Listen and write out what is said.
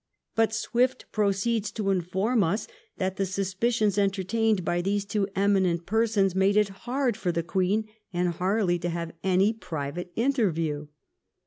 But Swift proceeds to inform us that the suspicions enter tained by these two eminent persons made it hard for the Queen and Harley to have any private interview.